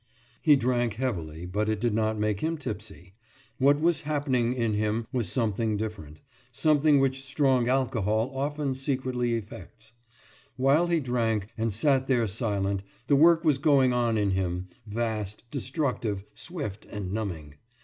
« He drank heavily, but it did not make him tipsy; what was happening in him was something different, something which strong alcohol often secretly effects. Whilst he drank and sat there silent, the work was going on in him, vast, destructive, swift, and numbing.